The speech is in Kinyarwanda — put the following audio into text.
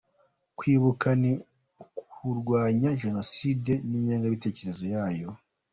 Kwibuka ni ukurwanya Jenoside n’ingengabitekerezo yayo.